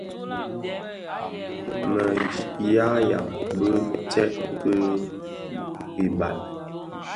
Më shyayaň bi tsèd kid hi bal.